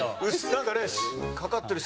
なんかねかかってるし。